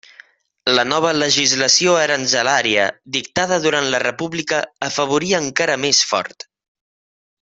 La nova legislació aranzelària dictada durant la República afavorí encara més Ford.